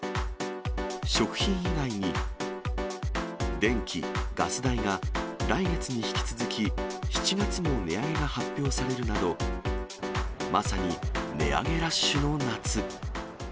食品以外に、電気・ガス代が来月に引き続き、７月も値上げが発表されるなど、まさに値上げラッシュの夏。